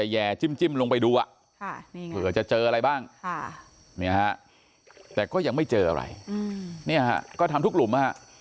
แย่จิ้มลงไปดูเผื่อจะเจออะไรบ้างแต่ก็ยังไม่เจออะไรเนี่ยฮะก็ทำทุกหลุมฮะ